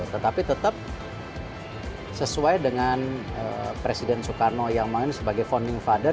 tetapi tetap sesuai dengan presiden soekarno yang main sebagai founding father